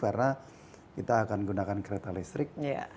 karena kita akan gunakan kereta listrik